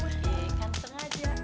oke kanteng aja